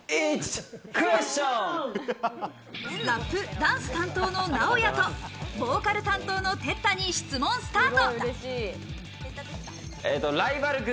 ラップ・ダンス担当のＮＡＯＹＡと、ボーカル担当のＴＥＴＴＡに質問スタート！